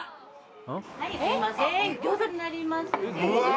はいすいませんうわっ！